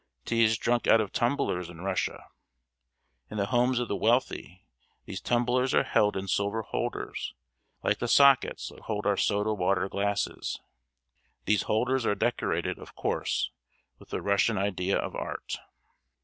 Tea is drunk out of tumblers in Russia. In the homes of the wealthy these tumblers are held in silver holders like the sockets that hold our soda water glasses. These holders are decorated, of course, with the Russian idea of art.